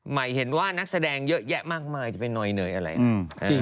หมายเห็นว่านักแสดงเยอะแยะมากมายจะไปหน่อยอะไร